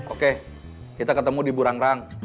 oke kita ketemu di burangrang